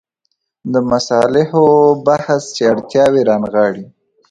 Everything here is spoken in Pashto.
د مصالحو بحث چې اړتیاوې رانغاړي.